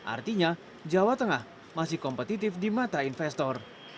artinya jawa tengah masih kompetitif di mata investor